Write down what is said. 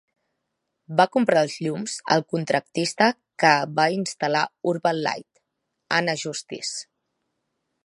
Va comprar els llums al contractista que va instal·lar Urban Light, Anna Justice.